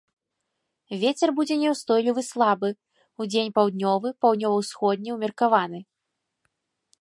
Вецер будзе няўстойлівы слабы, удзень паўднёвы, паўднёва-ўсходні ўмеркаваны.